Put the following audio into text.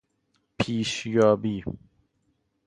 پیشیابی